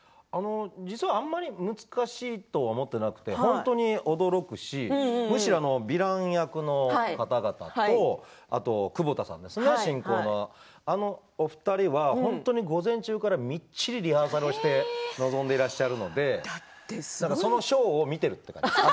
実は、あんまり難しいと思っていなくて本当に驚くしむしろヴィラン役の方々と進行の久保田さんあのお二人は本当に午前中からみっちりリハーサルをして臨んでいらっしゃるのでそのショーを見ている感じです。